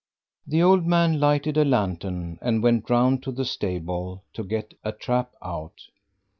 The old man lighted a lantern and went round to the stable to get a trap out.